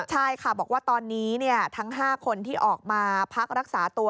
ใช่ค่ะบอกว่าตอนนี้ทั้ง๕คนที่ออกมาพักรักษาตัว